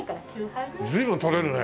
随分取れるね。